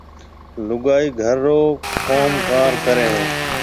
لُگائيَ گھر رو ڪوم ڪار ڪريَ هيَ۔